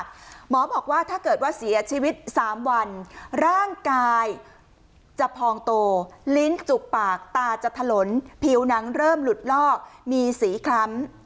หมอบอกว่าถ้าเกิดว่าเสียชีวิต๓วันร่างกายจะพองโตลิ้นจุกปากตาจะถลนผิวหนังเริ่มหลุดลอกมีสีคล้ำ